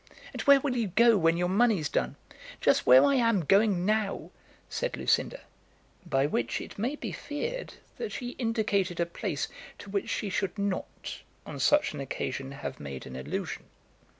"And where will you go when your money's done?" "Just where I am going now!" said Lucinda. By which it may be feared that she indicated a place to which she should not on such an occasion have made an allusion.